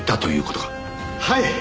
はい。